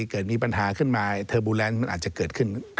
เกิดมีปัญหาขึ้นมาเทอร์บูแลนด์มันอาจจะเกิดขึ้น